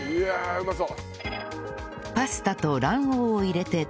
うまそう。